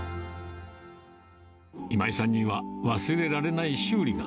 今井さんには、忘れられない修理が。